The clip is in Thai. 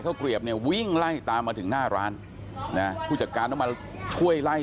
เกลียบเนี่ยวิ่งไล่ตามมาถึงหน้าร้านนะผู้จัดการต้องมาช่วยไล่